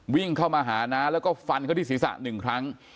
วิ่งเข้ามาหาน้าแล้วก็ฟันเขาที่ศีรษะหนึ่งครั้ง